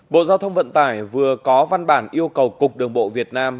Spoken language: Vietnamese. bộ giao thông vận tải vừa có văn bản yêu cầu cục đường bộ việt nam